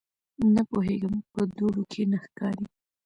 _نه پوهېږم، په دوړو کې نه ښکاري.